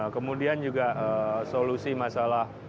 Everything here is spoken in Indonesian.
kemudian juga solusi masalah